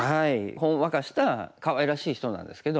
ほんわかしたかわいらしい人なんですけど。